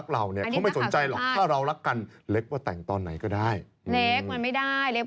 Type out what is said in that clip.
เค้ามีหมดแล้วเค้าคืนบ้านใหม่แล้ว